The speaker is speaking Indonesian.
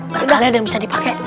mereka kalian bisa dipakai